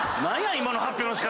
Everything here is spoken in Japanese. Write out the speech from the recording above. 今の発表の仕方！